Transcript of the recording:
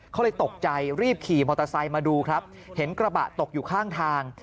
เขาเลยตกใจรีบขี่มอเตอร์ไซค์มาดูครับเห็นกระบะตกอยู่ข้างทาง